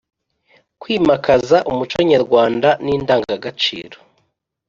kwimakaza umuco nyarwanda n’indangagaciro